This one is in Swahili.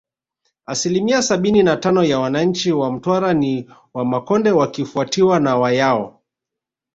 Asilimia sabini na tano ya wananchi wa Mtwara ni Wamakonde wakifuatiwa na Wayao